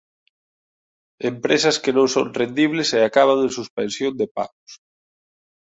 Empresas que non son rendibles e acaban en suspensión de pagos.